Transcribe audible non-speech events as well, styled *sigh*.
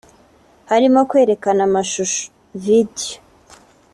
harimo kwerekana amashusho *video*